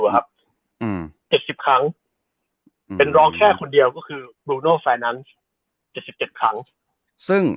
๗๗ครั้ง